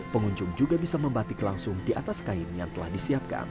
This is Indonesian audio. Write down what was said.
pengunjung juga bisa membatik langsung di atas kain yang telah disiapkan